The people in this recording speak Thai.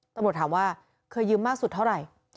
ตำรวจถามว่าเคยยืมมากสุดเท่าไหร่